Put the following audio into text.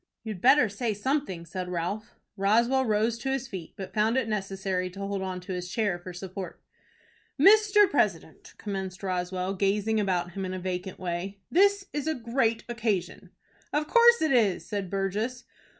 "You'd better say something," said Ralph. Roswell rose to his feet, but found it necessary to hold on to his chair for support. "Mr. President," commenced Roswell, gazing about him in a vacant way, "this is a great occasion." "Of course it is," said Burgess.